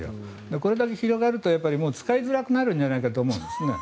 これだけ広がると使いづらくなるんじゃないかと思うんです。